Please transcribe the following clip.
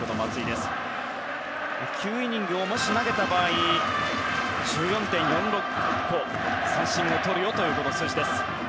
もし９イニングを投げた場合１４．４６個三振をとるという数字です。